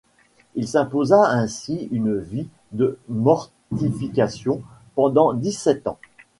Il s'imposa ainsi une vie de mortification pendant dix-sept ans.